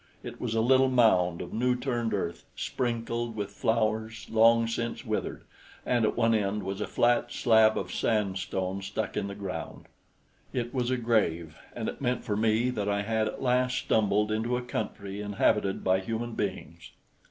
It was a little mound of new turned earth sprinkled with flowers long since withered, and at one end was a flat slab of sandstone stuck in the ground. It was a grave, and it meant for me that I had at last stumbled into a country inhabited by human beings.